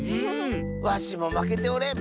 わしもまけておれん！